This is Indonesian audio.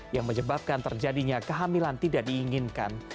yang menyebabkan terjadinya kehamilan tidak diinginkan